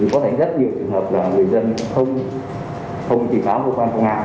có thể rất nhiều trường hợp là người dân không trình báo cơ quan công an